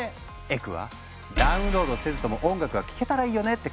エクは「ダウンロードせずとも音楽が聴けたらいいよね」って考えた。